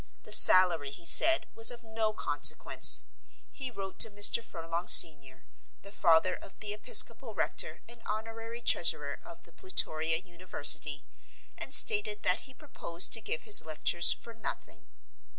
The salary, he said, was of no consequence. He wrote to Mr. Furlong senior (the father of the episcopal rector and honorary treasurer of the Plutoria University) and stated that he proposed to give his lectures for nothing.